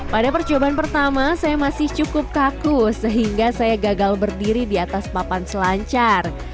pada percobaan pertama saya masih cukup kaku sehingga saya gagal berdiri di atas papan selancar